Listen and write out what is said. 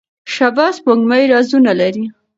شبح سپوږمۍ رازونه لري.